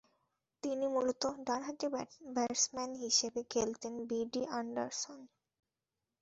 তিনি মূলতঃ ডানহাতি ব্যাটসম্যান হিসেবে খেলতেন বিডি অ্যান্ডারসন।